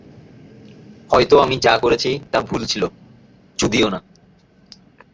হয়তো আমি যা করেছি তা ভুল ছিল-- - চুদিও না!